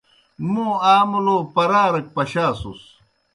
موْ آ مُلو پَرَارَک پشاسُس۔